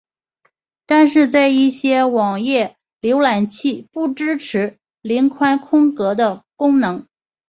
但是在一些网页浏览器不支援零宽空格的功能。